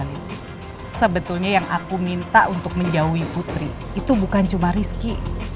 sebetulnya yang aku minta untuk menjauhi putri itu bukan cuma rizky